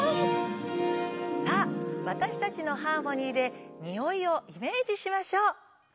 さあわたしたちのハーモニーでにおいをイメージしましょう。